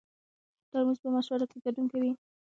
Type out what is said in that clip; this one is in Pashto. ترموز په مشورو کې ګډون کوي.